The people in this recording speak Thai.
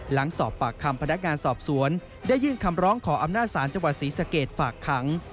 หลังสอบปากคำพนักงานสอบสวนได้ยื่นคำร้องขออำนาจศาลจังหวัดศรีสะเกดฝากขัง